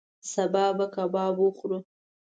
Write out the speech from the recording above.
سبا به کباب وخورو